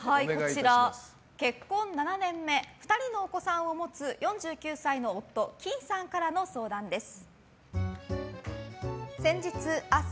こちら、結婚７年目２人のお子さんを持つ４９歳の夫きーさんからの相談です。